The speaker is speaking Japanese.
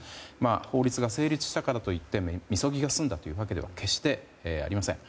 法律が成立したからと言ってみそぎが済んだというわけでは決してありません。